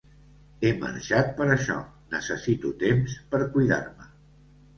He marxat per això, necessito temps per cuidar-me.